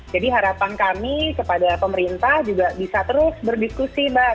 jadi harapan kami kepada pemerintah juga bisa terus berdiskusi mbak tirza